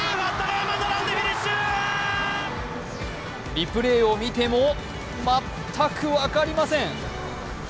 リプレーを見ても全く分かりません。